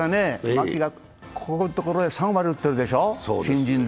牧がここのところ３割打ってるでしょ、新人で。